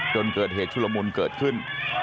จนเกิดเหตุชุลมุนเกิดขึ้น